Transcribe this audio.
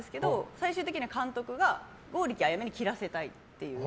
最終的には監督が、剛力彩芽に切らせたいっていう。